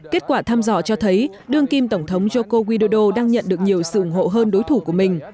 kết quả tham dọa cho thấy đương kim tổng thống joko udodo đang nhận được nhiều sự ủng hộ hơn đối thủ của mình